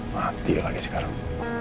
mati lagi sekarang